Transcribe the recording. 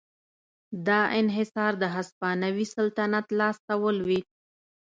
دا انحصار د هسپانوي سلطنت لاس ته ولوېد.